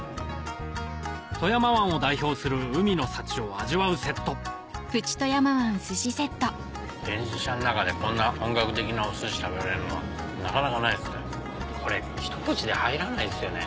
富山湾を代表する海の幸を味わうセット電車の中でこんな本格的なお寿司食べられるのはなかなかないですね。